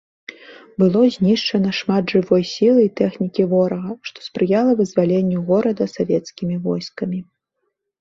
Было знішчана шмат жывой сілы і тэхнікі ворага, што спрыяла вызваленню горада савецкімі войскамі.